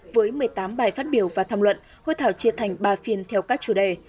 với một mươi tám bài phát biểu và tham luận hội thảo chia thành ba phiên theo các chủ đề